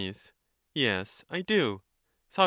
Yes ; I do. Soc.